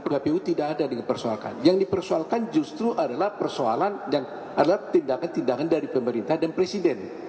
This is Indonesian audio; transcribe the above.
kpu tidak ada dipersoalkan yang dipersoalkan justru adalah persoalan yang adalah tindakan tindakan dari pemerintah dan presiden